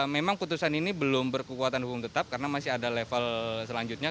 memang putusan ini belum berkekuatan hukum tetap karena masih ada level selanjutnya